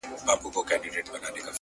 عطار وځغستل ګنجي پسي روان سو،